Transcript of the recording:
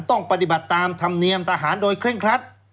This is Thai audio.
ต้องปฏิบัติตามธรรมเนียมทหารโดยเคร่งครัด